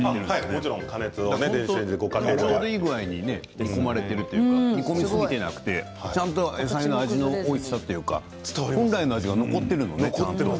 ちょうどいい具合に煮詰まれているというか煮込みすぎていなくてちゃんと野菜の味のおいしさというか本来の味が残っている。